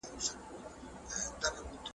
که حضوري ښوونه وسي د بدن ژبه ښه درک کيږي.